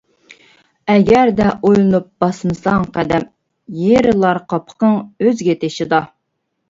ئەگەردە ئويلىنىپ باسمىساڭ قەدەم، يىرىلار قاپىقىڭ ئۆزگە تېشىدا.